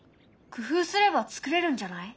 工夫すればつくれるんじゃない？